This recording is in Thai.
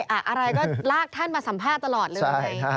อะไรก็ลากท่านมาสัมภาษณ์ตลอดเลย